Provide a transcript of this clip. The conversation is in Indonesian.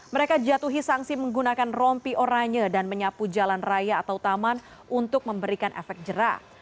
mereka jatuhi sanksi menggunakan rompi oranye dan menyapu jalan raya atau taman untuk memberikan efek jerah